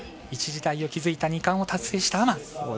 一時代を築いた２冠を達成したアマン。